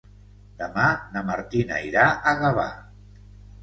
Demà na Martina irà a Gavà.